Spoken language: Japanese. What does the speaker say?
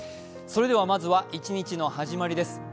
それではまずは一日の始まりです。